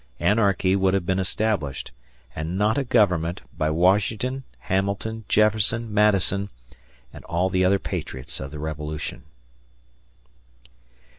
Anarchy would have been established, and not a government, by Washington, Hamilton, Jefferson, Madison, and all the other patriots of the Revolution.